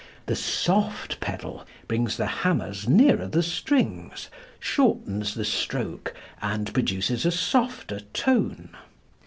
The soft pedal brings the hammers nearer the strings, shortens the stroke and produces a softer tone.